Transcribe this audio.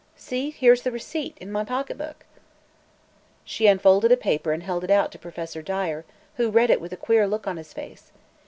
See; here's the receipt, in my pocket book." She unfolded a paper and held it out to Professor Dyer, who read it with a queer look on his face.